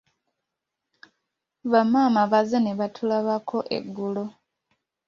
Bamaama bazze nebatulabako eggulo.